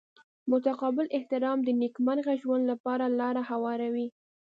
متقابل احترام د نیکمرغه ژوند لپاره لاره هواروي.